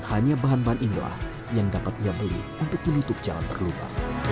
hanya bahan bahan inilah yang dapat ia beli untuk menutup jalan terluka